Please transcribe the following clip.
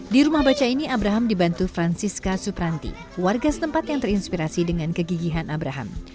di rumah baca ini abraham dibantu francisca supranti warga setempat yang terinspirasi dengan kegigihan abraham